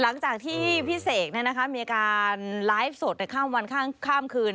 หลังจากที่พี่เสกมีการไลฟ์สดในข้ามวันข้ามคืน